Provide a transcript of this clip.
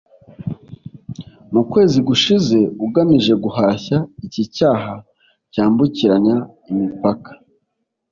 mu kwezi gushize ugamije guhashya iki cyaha cyambukiranya imipaka